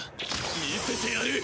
見せてやる！